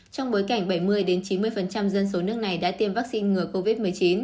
trong bối cảnh bảy mươi chín mươi dân số nước này đã tiêm vaccine ngừa covid một mươi chín